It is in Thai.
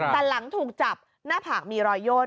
แต่หลังถูกจับหน้าผากมีรอยโย่น